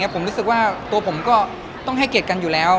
ผมรู้สึกว่าตัวผมก็ต้องให้เกียรติกันอยู่แล้ว